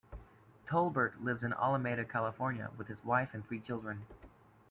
Tolbert lives in Alameda, California with his wife and three children.